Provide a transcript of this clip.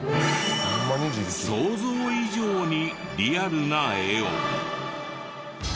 想像以上にリアルな絵を。